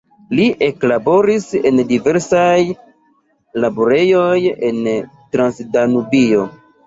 Li eklaboris en diversaj laborejoj en Transdanubio.